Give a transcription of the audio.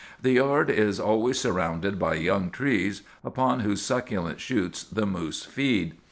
The yard is always surrounded by young trees, upon whose succulent shoots the moose feed.